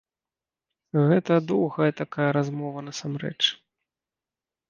Гэта доўгая такая размова насамрэч.